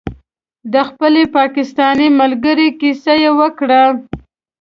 د خپلې پاکستانۍ ملګرې کیسه یې وکړه.